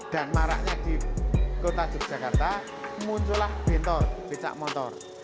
dan maraknya di kota yogyakarta muncullah bentor becak motor